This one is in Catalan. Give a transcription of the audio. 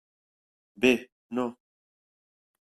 Bé, no.